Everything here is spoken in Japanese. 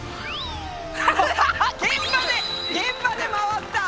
現場で現場で回った！